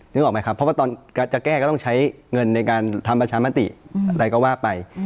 ออกไหมครับเพราะว่าตอนจะแก้ก็ต้องใช้เงินในการทำประชามติอะไรก็ว่าไป